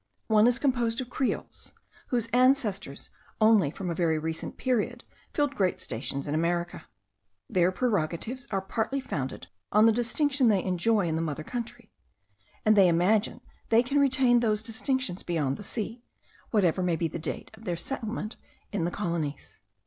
One is composed of creoles, whose ancestors only from a very recent period filled great stations in America. Their prerogatives are partly founded on the distinction they enjoy in the mother country; and they imagine they can retain those distinctions beyond the sea, whatever may be the date of their settlement in the colonies.